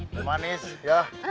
teh manis ya